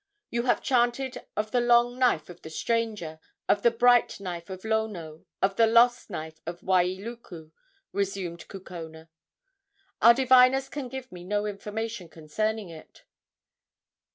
"You have chanted of the long knife of the stranger, of the bright knife of Lono, of the lost knife of Wailuku," resumed Kukona. "Our diviners can give me no information concerning it."